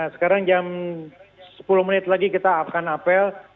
sekarang jam sepuluh menit lagi kita akan apel